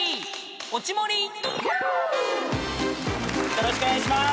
よろしくお願いします。